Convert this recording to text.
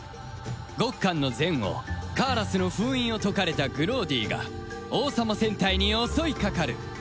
ゴッカンの前王カーラスの封印を解かれたグローディが王様戦隊に襲いかかる